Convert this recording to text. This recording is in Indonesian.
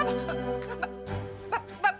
tuh pini gue